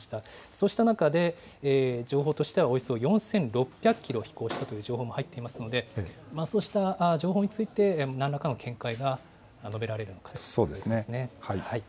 そうした中で情報としてはおよそ４６００キロ飛行したという情報も入っていますので、そうした情報について、なんらかの見解が述そうですね。